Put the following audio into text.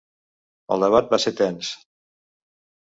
El debat va ser tens.